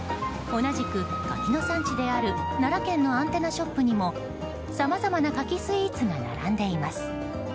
同じく柿の産地である奈良県のアンテナショップにもさまざまな柿スイーツが並んでいます。